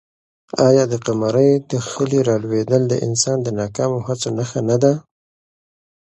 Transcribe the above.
آیا د قمرۍ د خلي رالوېدل د انسان د ناکامو هڅو نښه نه ده؟